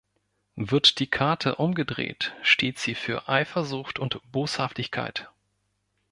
Wird die Karte umgedreht, steht sie für Eifersucht und Boshaftigkeit.